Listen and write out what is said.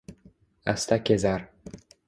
Asta kezar